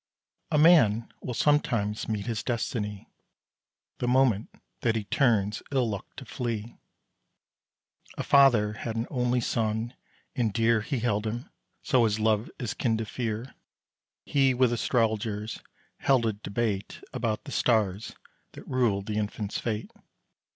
A Man will sometimes meet his destiny The moment that he turns ill luck to flee. A father had an only son, and dear He held him; so, as love is kin to fear, He with astrologers held a debate About the stars that ruled the infant's fate.